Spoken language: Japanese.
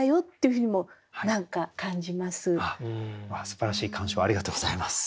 すばらしい鑑賞ありがとうございます。